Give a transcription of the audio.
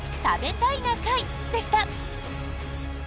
食べたい！な会」でした。